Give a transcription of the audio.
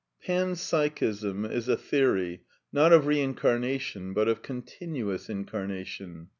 Pan Psychism is a theory, not of Eeincamation, but of — V eontinuous Incarnation.